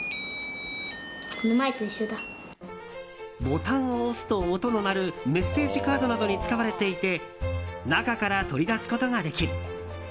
ボタンを押すと音の鳴るメッセージカードなどに使われていて中から取り出すことができる。